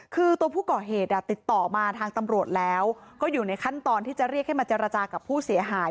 คือตัวผู้ก่อเหตุติดต่อมาทางตำรวจแล้วก็อยู่ในขั้นตอนที่จะเรียกให้มาเจรจากับผู้เสียหาย